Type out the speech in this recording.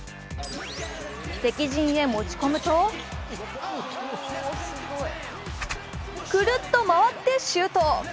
敵陣へ持ち込むとくるっと回ってシュート。